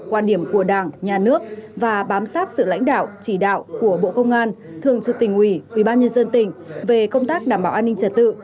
quan điểm của đảng nhà nước và bám sát sự lãnh đạo chỉ đạo của bộ công an thường trực tỉnh ủy ubnd tỉnh về công tác đảm bảo an ninh trật tự